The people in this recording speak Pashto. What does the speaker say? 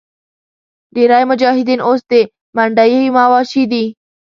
ډېری مجاهدین اوس د منډیي مواشي دي.